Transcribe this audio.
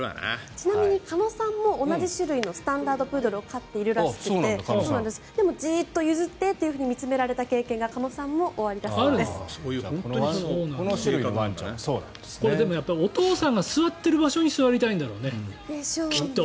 ちなみに鹿野さんも同じ種類のスタンダード・プードルを飼っているらしくてでも、じーっと譲ってと見つめられた経験がお父さんが座っている場所に座りたいんだろうね、きっと。